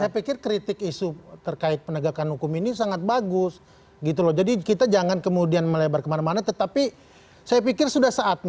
saya pikir kritik isu terkait penegakan hukum ini sangat bagus